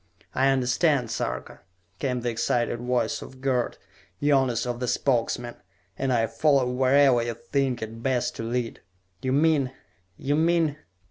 "I understand, Sarka!" came the excited voice of Gerd, youngest of the Spokesmen. "And I follow wherever you think it best to lead! You mean ... you mean...."